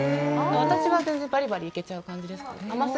私はバリバリいけちゃう感じですね。